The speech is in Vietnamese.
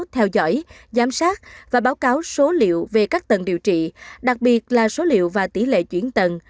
theo dõi giám sát và báo cáo số liệu về các tầng điều trị đặc biệt là số liệu và tỷ lệ chuyển tầng